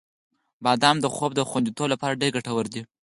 • بادام د خوب خوندیتوب لپاره ډېر ګټور دی.